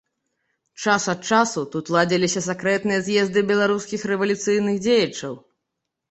Час ад часу тут ладзіліся сакрэтныя з'езды беларускіх рэвалюцыйных дзеячаў.